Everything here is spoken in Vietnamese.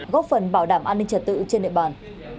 góp phần bảo đảm an ninh trật tự trên địa bàn